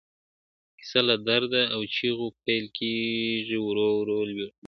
کيسه له درد او چيغو پيل کيږي ورو ورو لوړېږي,